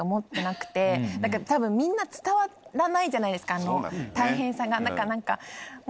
多分みんな伝わらないじゃないですかあの大変さが。